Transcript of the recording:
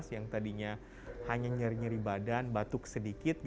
yang tadinya hanya nyeri nyeri badan batuk sedikit